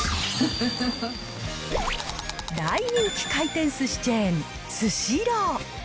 大人気回転すしチェーン、スシロー。